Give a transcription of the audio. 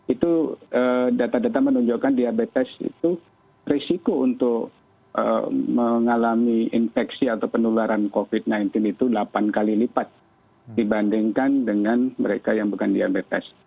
itu data data menunjukkan diabetes itu risiko untuk mengalami infeksi atau penularan covid sembilan belas itu delapan kali lipat dibandingkan dengan mereka yang bukan diabetes